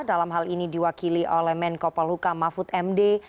dalam hal ini diwakili oleh menko polhuka mahfud md